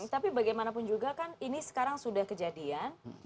tapi bagaimanapun juga kan ini sekarang sudah kejadian